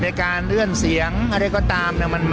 ในการเลื่อนเสียงอะไรก็ตาม